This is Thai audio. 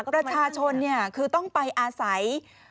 ประชาชนคือต้องไปอาศัย